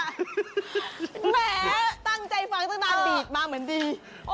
แหมตั้งใจฟังตั้งนานบีบมาเหมือนดี